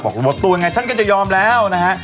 หมดตัวยังไงฉันก็จะยอมแล้วนะฮะ